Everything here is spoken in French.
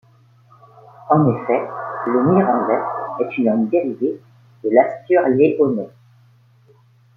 En effet, le Mirandais est une langue dérivée de l'Astur-léonais.